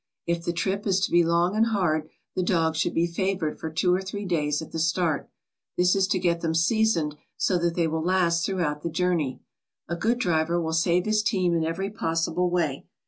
If the trip is to be long and hard, the dogs should be favoured for two or three days at the start. This is to get them seasoned so that they will last throughout the journey. A good driver will save his team in every possible way.